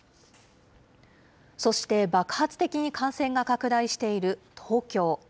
そして爆発的に感染が拡大している東京。